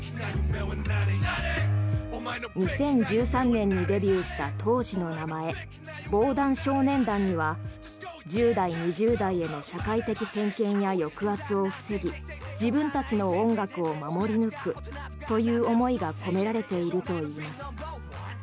２０１３年にデビューした当時の名前、防弾少年団には１０代、２０代への社会的偏見や抑圧を防ぎ自分たちの音楽を守り抜くという思いが込められているといいます。